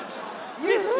うれしい。